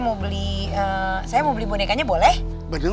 pak umar saya mau beli bonekanya boleh